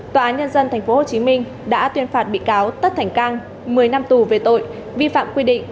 tòa án nhân dân tp hcm đã tuyên phạt bị cáo tất thành cang một mươi năm tù về tội vi phạm quy định